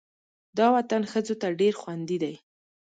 دا وطن ښځو ته ډېر خوندي دی.